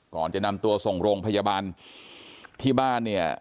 ก่อนจะนำตัวส่งโรงพยาบาลที่บ้านเนี่ย